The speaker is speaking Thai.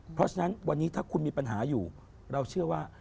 เพราะฉะนั้นวันนี้ถ้าคุณมีปัญหาอยู่เราเชื่อว่า